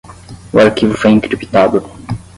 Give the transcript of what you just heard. O arquivo foi encriptado